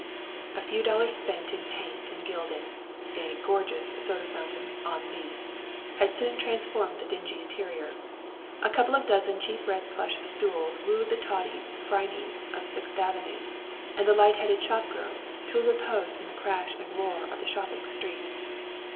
A few dollars spent in paint and gilding, a "gorgeous" soda fountain "on lease," had soon transformed the dingy interior. A couple of dozen cheap red plush stools wooed the tawdy Phrynes of Sixth Avenue, and the light headed shop girls to a repose from the crash and roar of the shopping street.